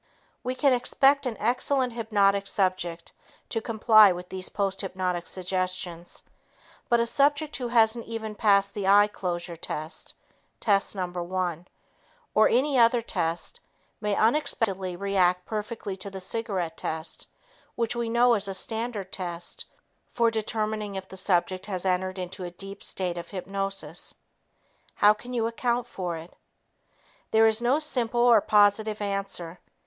We can expect an excellent hypnotic subject to comply with these posthypnotic suggestions, but a subject who hasn't even passed the eye closure test (test No. 1) or any other test may unexpectedly react perfectly to the cigarette test which we know is a standard test for determining if the subject has entered into a deep state of hypnosis. How can you account for it? There is no simple or positive answer.